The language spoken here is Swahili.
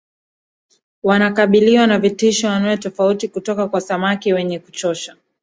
Wanakabiliwa na vitisho anuwai tofauti kutoka kwa samaki wenye kuchosha